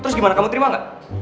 terus gimana kamu terima gak